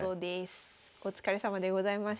お疲れさまでございました。